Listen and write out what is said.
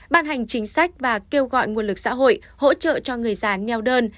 ban hành chính sách và kêu gọi nguồn lực xã hội hỗ trợ cho người già neo đơn